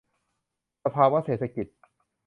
สภาวะเศรษฐกิจ